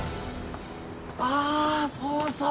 あそうそう！